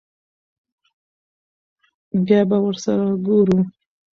بيا به ور سره ګورو.